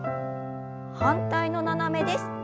反対の斜めです。